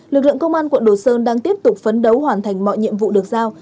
lực lượng công an quận đồ sơn đang tiếp tục phấn đấu hoàn thành mọi nhiệm vụ được giao